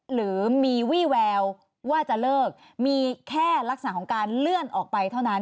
หรือมีวี่แววว่าจะเลิกมีแค่ลักษณะของการเลื่อนออกไปเท่านั้น